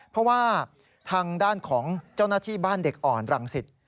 เพราะว่าทางด้านของเจ้าหน้าที่บ้านเด็กอ่อนรังสิต